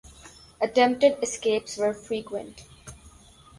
Attempted escapes were frequent.